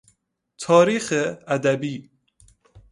تاریخ ادبی